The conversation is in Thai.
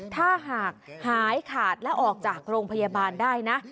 ถ้าหากหายขาดและออกจากโรงพยาบาลได้นะ